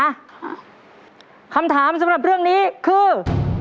คำถามสำหรับเรื่องนี้คือ